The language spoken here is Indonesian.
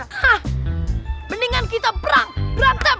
hah mendingan kita berantem